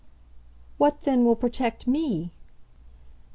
"What then will protect ME?"